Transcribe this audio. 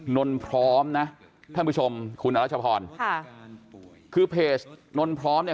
นนพร้อมนะท่านผู้ชมคุณอรัชพรค่ะคือเพจนนพร้อมเนี่ย